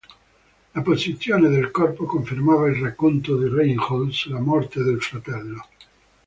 La posizione del corpo confermava il racconto di Reinhold sulla morte del fratello.